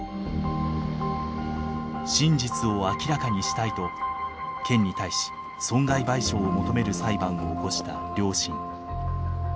真実を明らかにしたいと県に対し損害賠償を求める裁判を起こした両親。